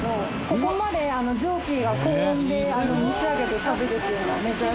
ここまで蒸気が高温で蒸し上げて食べるというのは珍しい。